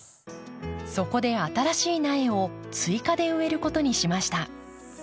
そこで新しい苗を追加で植えることにしました。